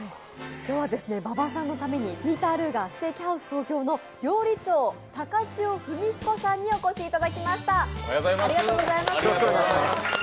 今日は馬場さんのためにピーター・ルーガーステーキハウス東京の料理長、高知尾文彦さんにお越しいただきました。